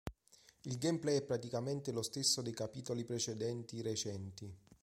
Il Gameplay è praticamente lo stesso dei capitoli precedenti recenti.